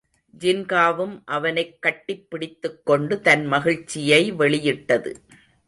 ஜின்காவும் அவனைக் கட்டிப் பிடித்துக்கொண்டு தன் மகிழ்ச்சியை வெளியிட்டது.